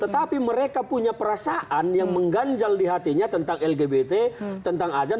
tetapi mereka punya perasaan yang mengganjal di hatinya tentang lgbt tentang azan